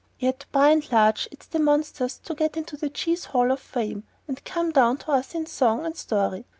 Yet by and large it's the monsters that get into the Cheese Hall of Fame and come down to us in song and story.